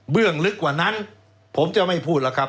เบื้องลึกกว่านั้นผมจะไม่พูดหรอกครับ